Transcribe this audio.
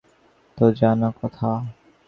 আর ভুল যে তাঁহারা করিয়াছেন, ইহা তো জানা কথা।